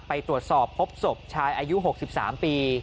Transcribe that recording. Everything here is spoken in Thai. ไปตรวจสอบพบศพชายอายุ๖๓ปี